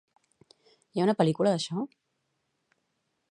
Hi ha una pel·lícula d'això?